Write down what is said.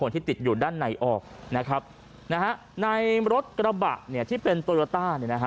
ที่ติดอยู่ด้านในออกนะครับนะฮะในรถกระบะเนี่ยที่เป็นโตโยต้าเนี่ยนะฮะ